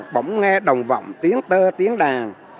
bỗng nghe đồng vọng tiếng tơ tiếng đàn